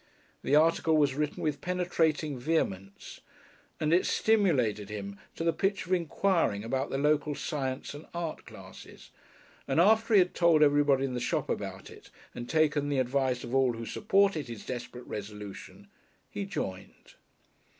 The article was written with penetrating vehemence, and it stimulated him to the pitch of inquiring about the local Science and Art Classes, and after he had told everybody in the shop about it and taken the advice of all who supported his desperate resolution, he joined.